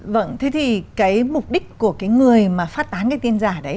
vâng thế thì cái mục đích của cái người mà phát tán cái tin giả đấy